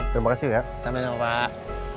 terima kasih ya sama sama pak